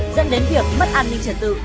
dẫn đến việc mất an ninh trần tự